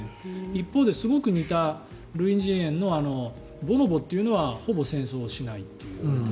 一方ですごく似た類人猿のボノボというのはほぼ戦争をしないと。